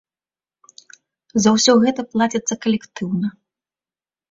За ўсё гэта плаціцца калектыўна.